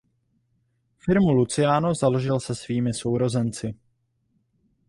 Firmu Luciano založil se svými sourozenci.